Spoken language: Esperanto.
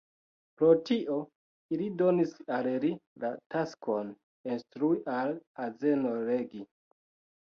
Pro tio ili donis al li la taskon instrui al azeno legi.